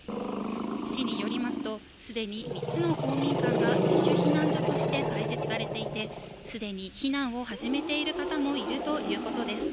市によりますと、すでに３つの公民館が自主避難所として開設されていて、すでに避難を始めている方もいるということです。